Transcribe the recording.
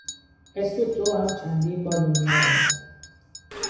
اسم تو هم چندین بار به میان آمد.